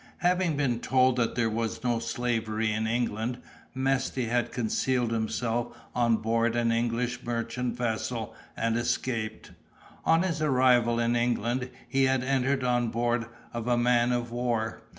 Having been told that there was no slavery in England, Mesty had concealed himself on board an English merchant vessel and escaped. On his arrival in England he had entered on board of a man of war.